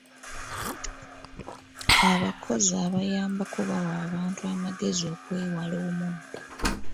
Abakozi abayambako bawa abantu amagezi okwewala omuddo.